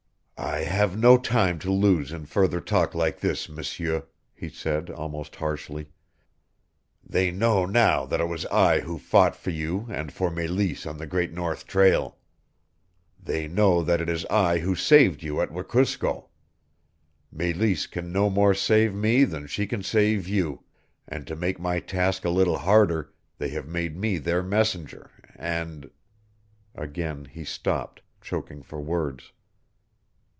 "I have no time to lose in further talk like this, M'seur," he said almost harshly. "They know now that it was I who fought for you and for Meleese on the Great North Trail. They know that it is I who saved you at Wekusko. Meleese can no more save me than she can save you, and to make my task a little harder they have made me their messenger, and " Again he stopped, choking for words.